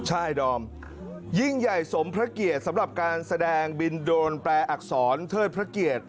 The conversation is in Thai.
ใช่ดอมยิ่งใหญ่สมพระเกียรติสำหรับการแสดงบินโดรนแปลอักษรเทิดพระเกียรติ